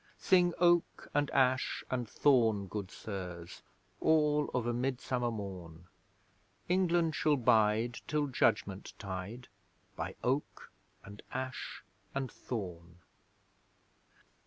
Sing Oak, and Ash, and Thorn, good Sirs (All of a Midsummer morn)! England shall bide till Judgement Tide, By Oak and Ash and Thorn!